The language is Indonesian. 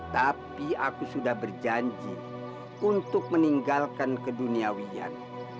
tapi aku sudah berjanji untuk meninggalkan keduniawian